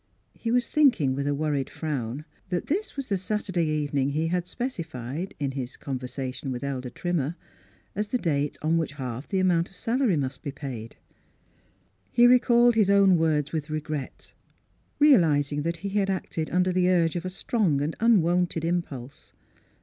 He was thinking with a worried frown that this was the Saturday evening he had specified, in his conversation with Elder Trimmer, as the date on which half the amount of salary due must be paid. He recalled his own words with regret, realis ing that he had acted under the urge of a strong and unwonted impulse.